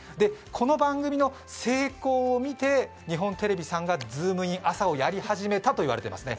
この番組の成功を見て日本テレビさんが「ズームイン！朝」をやり始めたと言われてますね。